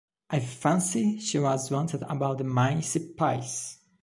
I fancy she was wanted about the mince pies.